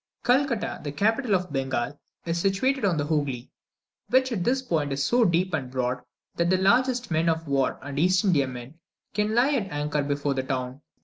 Calcutta, the capital of Bengal, is situated on the Hoogly, which at this point is so deep and broad, that the largest men of war and East Indiamen can lie at anchor before the town.